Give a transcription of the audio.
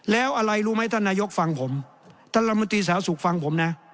แล้วอะไรรู้ไหมท่านนายกฟังผมท่านรัฐมนตรีสาธารณสุขฟังผมนะ